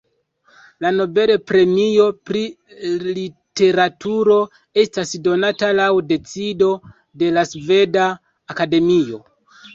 La Nobel-premio pri literaturo estas donata laŭ decido de la Sveda Akademio.